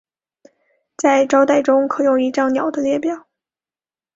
在招待中可用一张鸟的列表。